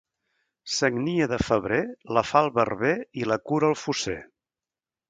Sagnia de febrer, la fa el barber i la cura el fosser.